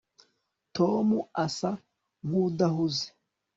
tom asa nkudahuze